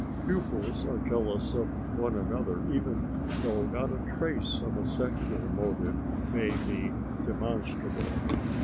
Pupils are jealous of one another even though not a trace of a sexual motive may be demonstrable.